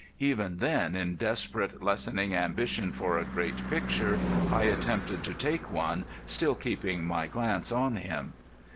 Even then in desperate lessening ambition for a great picture I attempted to take one, still keeping my glance on him.